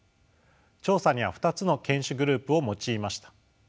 調査には２つの犬種グループを用いました。